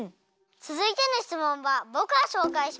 つづいてのしつもんはぼくがしょうかいしますね。